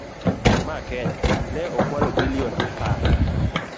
Ma Kenya ne okwalo billion apar.